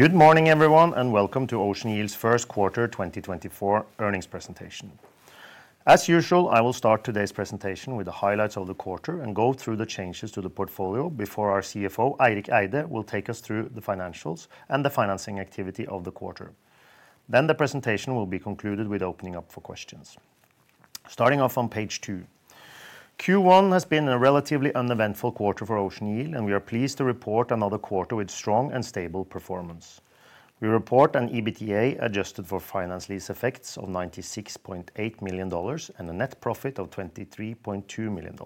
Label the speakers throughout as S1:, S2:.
S1: Good morning, everyone, and welcome to Ocean Yield's First Quarter 2024 Earnings Presentation. As usual, I will start today's presentation with the highlights of the quarter and go through the changes to the portfolio before our CFO, Eirik Eide, will take us through the financials and the financing activity of the quarter. Then the presentation will be concluded with opening up for questions. Starting off on page two. Q1 has been a relatively uneventful quarter for Ocean Yield, and we are pleased to report another quarter with strong and stable performance. We report an EBITDA adjusted for finance lease effects of $96.8 million and a net profit of $23.2 million.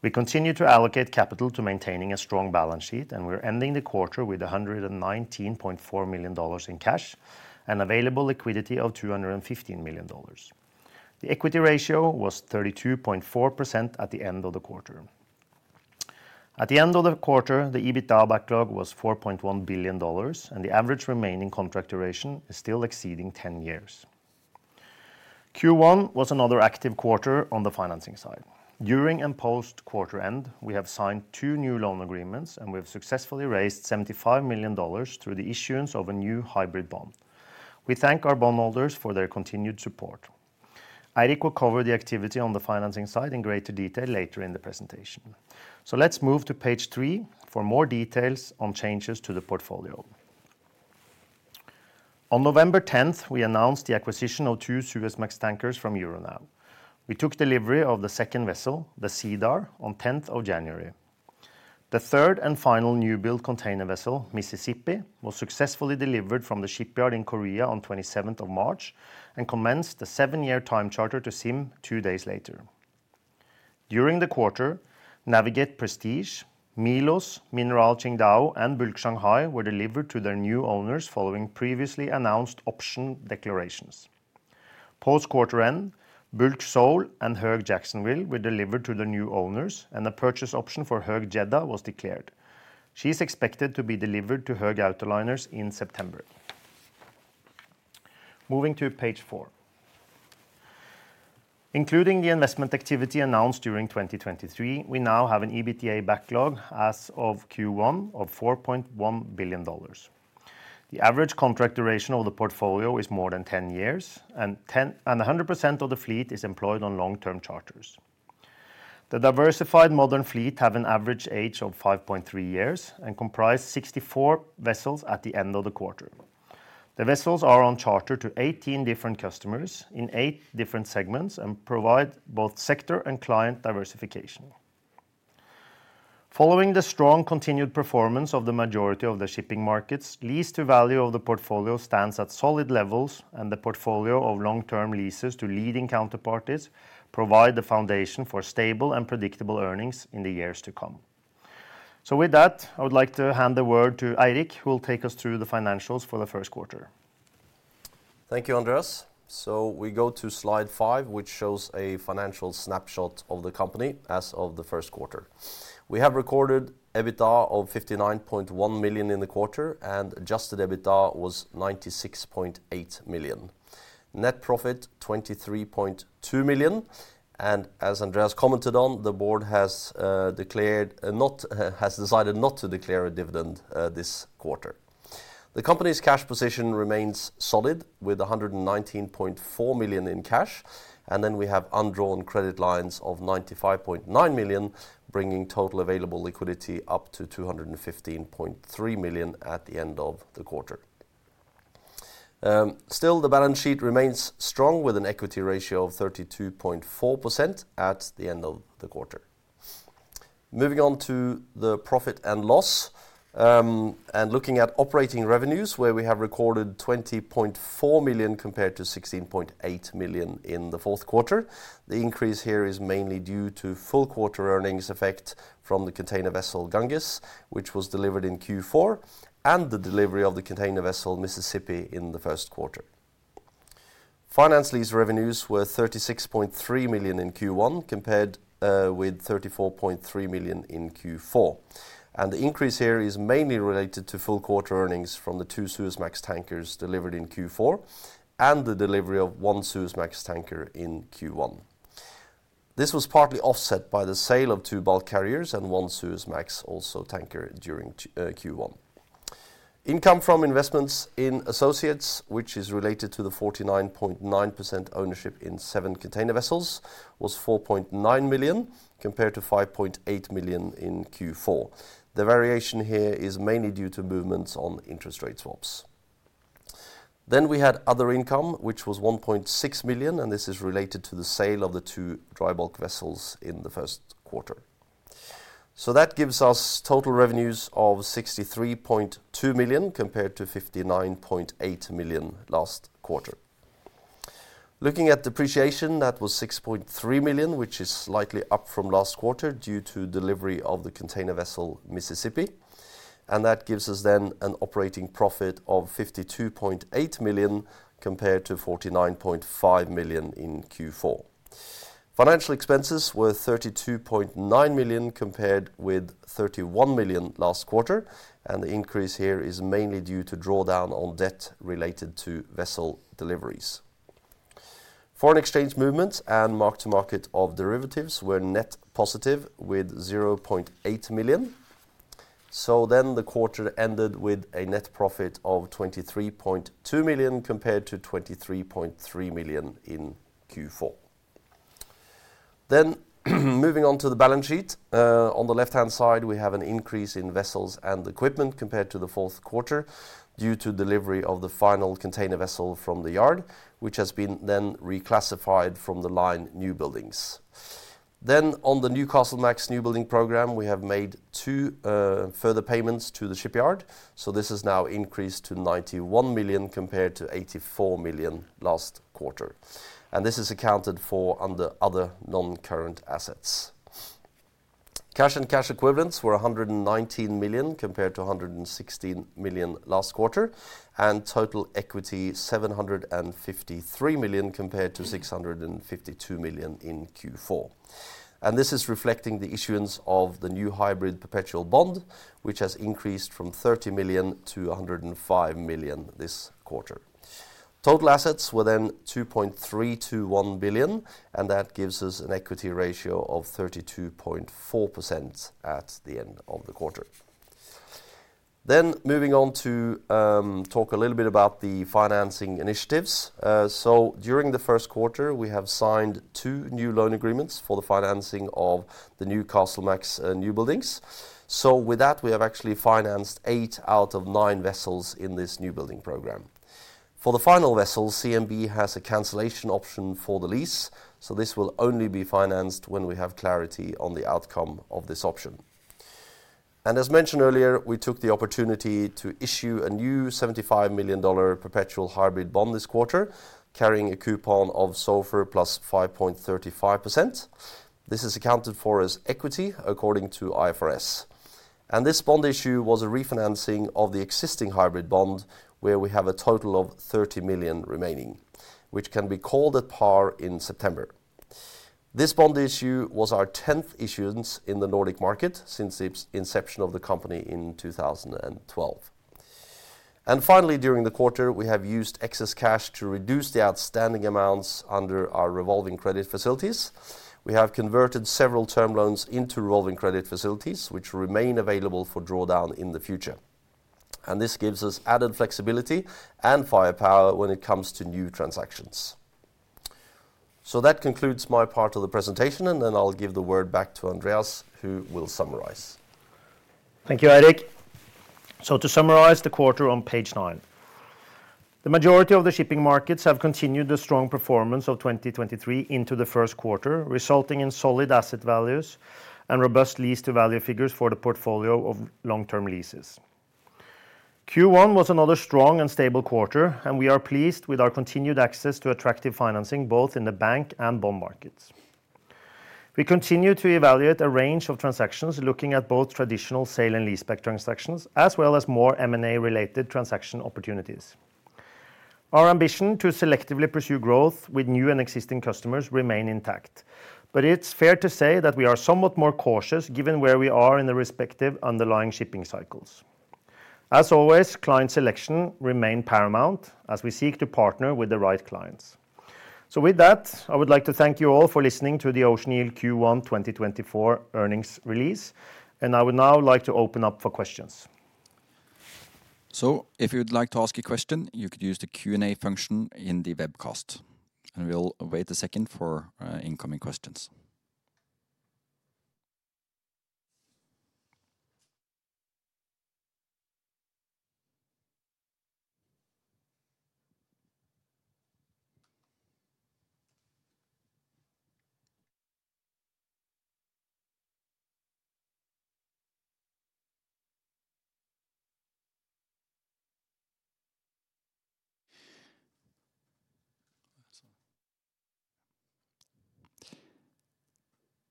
S1: We continue to allocate capital to maintaining a strong balance sheet, and we're ending the quarter with $119.4 million in cash and available liquidity of $215 million. The equity ratio was 32.4% at the end of the quarter. At the end of the quarter, the EBITDA backlog was $4.1 billion, and the average remaining contract duration is still exceeding 10 years. Q1 was another active quarter on the financing side. During and post-quarter end, we have signed two new loan agreements, and we have successfully raised $75 million through the issuance of a new hybrid bond. We thank our bondholders for their continued support. Eirik will cover the activity on the financing side in greater detail later in the presentation. Let's move to page three for more details on changes to the portfolio. On November 10, we announced the acquisition of two Suezmax tankers from Euronav. We took delivery of the second vessel, the Cedar, on 10th of January. The third and final new build container vessel, Mississippi, was successfully delivered from the shipyard in Korea on 27th of March and commenced a seven-year time charter to ZIM two days later. During the quarter, Navig8 Prestige, Milos, Mineral Qingdao, and Bulk Shanghai were delivered to their new owners following previously announced option declarations. Post quarter end, Bulk Seoul and Höegh Jacksonville were delivered to the new owners, and the purchase option for Höegh Jeddah was declared. She is expected to be delivered to Höegh Autoliners in September. Moving to page four. Including the investment activity announced during 2023, we now have an EBITDA backlog as of Q1 of $4.1 billion. The average contract duration of the portfolio is more than 10 years, and 10—and 100% of the fleet is employed on long-term charters. The diversified modern fleet have an average age of 5.3 years and comprise 64 vessels at the end of the quarter. The vessels are on charter to 18 different customers in eight different segments and provide both sector and client diversification. Following the strong continued performance of the majority of the shipping markets, lease-to-value of the portfolio stands at solid levels, and the portfolio of long-term leases to leading counterparties provide the foundation for stable and predictable earnings in the years to come. With that, I would like to hand the word to Eirik, who will take us through the financials for the first quarter.
S2: Thank you, Andreas. So we go to slide 5, which shows a financial snapshot of the company as of the first quarter. We have recorded EBITDA of $59.1 million in the quarter, and adjusted EBITDA was $96.8 million. Net profit, $23.2 million, and as Andreas commented on, the board has decided not to declare a dividend this quarter. The company's cash position remains solid, with $119.4 million in cash, and then we have undrawn credit lines of $95.9 million, bringing total available liquidity up to $215.3 million at the end of the quarter. Still, the balance sheet remains strong, with an equity ratio of 32.4% at the end of the quarter. Moving on to the profit and loss, and looking at operating revenues, where we have recorded $20.4 million compared to $16.8 million in the fourth quarter. The increase here is mainly due to full quarter earnings effect from the container vessel Ganges, which was delivered in Q4, and the delivery of the container vessel Mississippi in the first quarter. Finance lease revenues were $36.3 million in Q1, compared with $34.3 million in Q4. And the increase here is mainly related to full quarter earnings from the two Suezmax tankers delivered in Q4 and the delivery of one Suezmax tanker in Q1. This was partly offset by the sale of two bulk carriers and one Suezmax, also tanker, during Q1. Income from investments in associates, which is related to the 49.9% ownership in seven container vessels, was $4.9 million, compared to $5.8 million in Q4. The variation here is mainly due to movements on interest rate swaps. Then we had other income, which was $1.6 million, and this is related to the sale of the two dry bulk vessels in the first quarter. So that gives us total revenues of $63.2 million, compared to $59.8 million last quarter. Looking at depreciation, that was $6.3 million, which is slightly up from last quarter due to delivery of the container vessel Mississippi, and that gives us then an operating profit of $52.8 million, compared to $49.5 million in Q4. Financial expenses were $32.9 million, compared with $31 million last quarter, and the increase here is mainly due to drawdown on debt related to vessel deliveries. Foreign exchange movements and mark-to-market of derivatives were net positive with $0.8 million. The quarter ended with a net profit of $23.2 million, compared to $23.3 million in Q4. Moving on to the balance sheet. On the left-hand side, we have an increase in vessels and equipment compared to the fourth quarter, due to delivery of the final container vessel from the yard, which has been then reclassified from the line newbuildings. Then on the Newcastlemax newbuilding program, we have made two further payments to the shipyard, so this is now increased to $91 million compared to $84 million last quarter, and this is accounted for under other non-current assets. Cash and cash equivalents were $119 million, compared to $116 million last quarter, and total equity $753 million compared to $652 million in Q4. And this is reflecting the issuance of the new hybrid perpetual bond, which has increased from $30 million to $105 million this quarter. Total assets were then $2.321 billion, and that gives us an equity ratio of 32.4% at the end of the quarter. Then moving on to talk a little bit about the financing initiatives. So during the first quarter, we have signed 2 new loan agreements for the financing of the Newcastlemax newbuildings. So with that, we have actually financed 8 out of 9 vessels in this newbuilding program. For the final vessel, CMB has a cancellation option for the lease, so this will only be financed when we have clarity on the outcome of this option. And as mentioned earlier, we took the opportunity to issue a new $75 million perpetual hybrid bond this quarter, carrying a coupon of SOFR plus 5.35%. This is accounted for as equity according to IFRS. And this bond issue was a refinancing of the existing hybrid bond, where we have a total of $30 million remaining, which can be called at par in September. This bond issue was our tenth issuance in the Nordic market since its inception of the company in 2012. Finally, during the quarter, we have used excess cash to reduce the outstanding amounts under our revolving credit facilities. We have converted several term loans into revolving credit facilities, which remain available for drawdown in the future. This gives us added flexibility and firepower when it comes to new transactions. That concludes my part of the presentation, and then I'll give the word back to Andreas, who will summarize.
S1: Thank you, Eirik. To summarize the quarter on page nine. The majority of the shipping markets have continued the strong performance of 2023 into the first quarter, resulting in solid asset values and robust lease-to-value figures for the portfolio of long-term leases. Q1 was another strong and stable quarter, and we are pleased with our continued access to attractive financing, both in the bank and bond markets. We continue to evaluate a range of transactions, looking at both traditional sale and leaseback transactions, as well as more M&A-related transaction opportunities. Our ambition to selectively pursue growth with new and existing customers remain intact, but it's fair to say that we are somewhat more cautious given where we are in the respective underlying shipping cycles. As always, client selection remain paramount as we seek to partner with the right clients. With that, I would like to thank you all for listening to the Ocean Yield Q1 2024 earnings release, and I would now like to open up for questions.
S3: So if you would like to ask a question, you could use the Q&A function in the webcast, and we'll wait a second for incoming questions.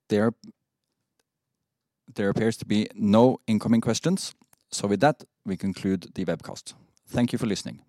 S3: There appears to be no incoming questions. So with that, we conclude the webcast. Thank you for listening.